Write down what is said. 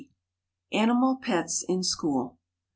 ANIMAL PETS IN SCHOOL.